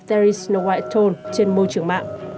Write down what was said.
there is no white tone trên môi trường mạng